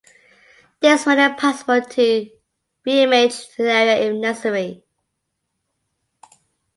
This made it possible to reimage an area if necessary.